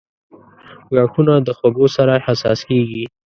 • غاښونه د خوږو سره حساس کیږي.